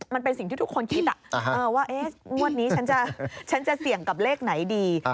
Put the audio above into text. มันเป็นสิ่งที่ทุกคนคิดว่างวดนี้ฉันจะเสี่ยงกับเลขไหนดี